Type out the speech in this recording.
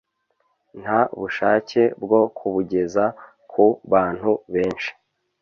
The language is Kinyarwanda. nta bushake bwo kubugeza ku bantu benshi